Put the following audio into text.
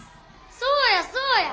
そうやそうや。